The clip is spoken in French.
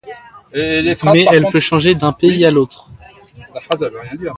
Mais elle peut changer d'un pays à l'autre.